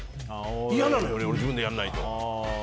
嫌なのよ、俺、自分でやらないと。